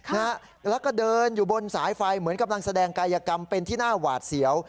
แล้วก็เดินอยู่บนสายไฟเหมือนกำลังแสดงกายกรรมเป็นที่น่าหวาดเสียว